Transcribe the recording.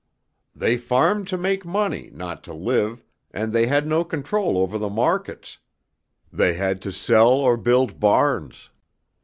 "They farmed to make money, not to live, and they had no control over the markets. They had to sell or build barns.